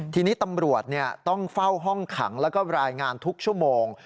ทีนี้ตำรวจต้องเฝ้าห้องขังแล้วก็รายงานทุกชั่วโมง